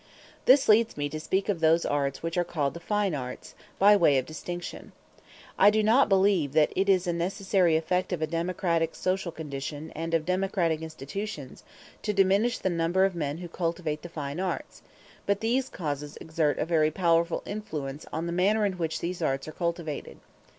This leads me to speak of those arts which are called the fine arts, by way of distinction. I do not believe that it is a necessary effect of a democratic social condition and of democratic institutions to diminish the number of men who cultivate the fine arts; but these causes exert a very powerful influence on the manner in which these arts are cultivated.